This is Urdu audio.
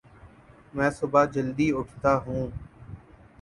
میں صبح جلدی اٹھتاہوں